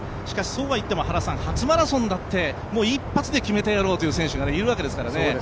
しかし、初マラソンだって１発で決めてやろうっていう選手もいるわけですからね。